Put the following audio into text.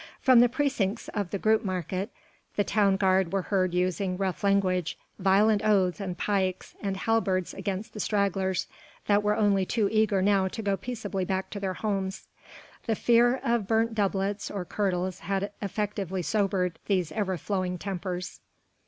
From the precincts of the Grootemarkt the town guard were heard using rough language, violent oaths and pikes and halberds against the stragglers that were only too eager now to go peaceably back to their homes. The fear of burnt doublets or kirtles had effectually sobered these over flowing tempers.